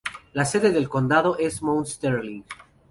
La sede del condado es Mount Sterling.